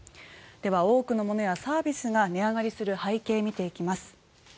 では、多くのものやサービスが値上がりする背景を見ていきます。